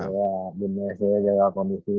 iya di mes aja jaga kondisi